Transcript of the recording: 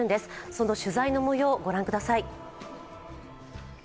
その取材の模様、ご覧ください。